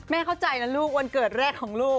เข้าใจนะลูกวันเกิดแรกของลูก